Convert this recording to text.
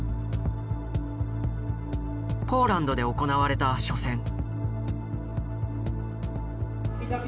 ポーランドで行われた初戦。